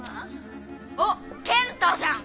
あっ健太じゃん。